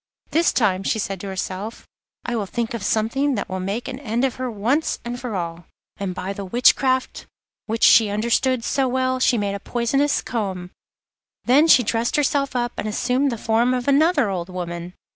'This time,' she said to herself, 'I will think of something that will make an end of her once and for all.' And by the witchcraft which she understood so well she made a poisonous comb; then she dressed herself up and assumed the form of another old woman.